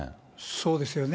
そうですよね。